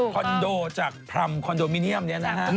คอนโดจากพรรมคอนโดมิเนียมนี้นะฮะ